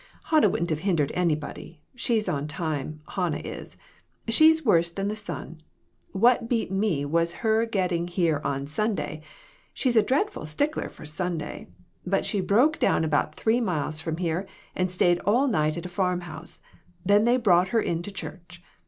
" Hannah wouldn't have hindered anybody. She's on time, Hannah is ; she's worse than the sun. What beat me was her getting here on Sunday; she's a dreadful stickler for Sunday; but she broke down about three miles from here, and stayed all night at a farm house ; then they brought her in to church.